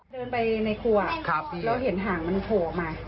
เดินไปในครัวเราเห็นหางมันโผล่ออกมา